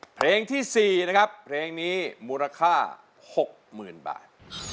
เพลงที่๔นะครับเพลงนี้มูลค่า๖๐๐๐บาท